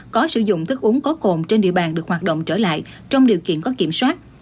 có sử dụng thức uống có cồn trên địa bàn được hoạt động trở lại trong điều kiện có kiểm soát